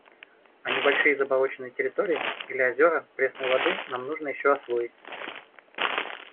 А небольшие заболоченные территории или озера пресной воды нам нужно еще освоить.